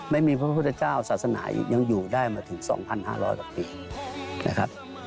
ไม่มีพระพุทธเจ้าศาสนายังอยู่ได้มาถึง๒๕๐๐กว่าปีนะครับ